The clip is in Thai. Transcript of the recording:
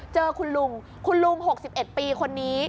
เจอคุณลุงคุณลุง๖๑ปีคนนี้